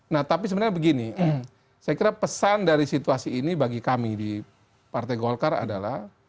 nah tapi sebenarnya begini saya kira pesan dari situasi ini bagi kami di partai golkar adalah